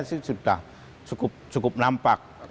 sudah cukup nampak